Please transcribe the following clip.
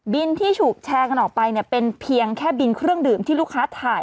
ที่ถูกแชร์กันออกไปเนี่ยเป็นเพียงแค่บินเครื่องดื่มที่ลูกค้าถ่าย